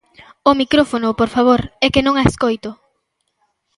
O micrófono, por favor, é que non a escoito.